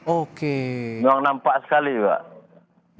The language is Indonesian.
oke memang nampak sekali pak